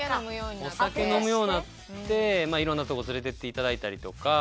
お酒飲むようになっていろんなとこ連れて行っていただいたりとか。